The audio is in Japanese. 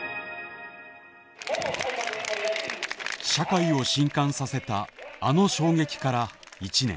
社会を震かんさせたあの衝撃から１年。